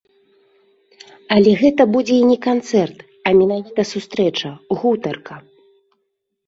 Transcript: Але гэта будзе і не канцэрт, а менавіта сустрэча, гутарка.